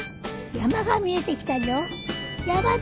山が見えてきたじょ。